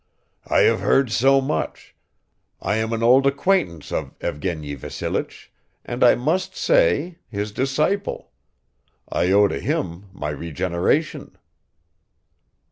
"I have heard so much ... I am an old acquaintance of Evgeny Vassilich and I may say his disciple. I owe to him my regeneration..."